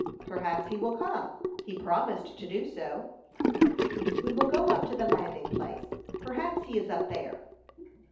"Perhaps he will come; he promised to do so." "We will go up to the landing place; perhaps he is up there."